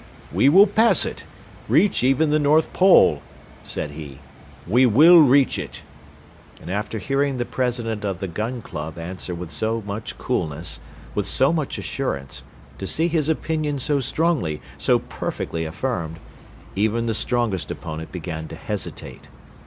"We will pass it reach even the North Pole," said he. "We will reach it." And after hearing the President of the Gun Club answer with so much coolness, with so much assurance, to see his opinion so strongly, so perfectly affirmed, even the strongest opponent began to hesitate.